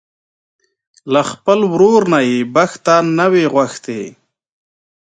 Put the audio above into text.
له خپل ورور نه يې بښته نه وي غوښتې.